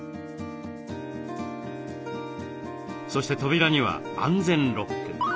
そして扉には安全ロック。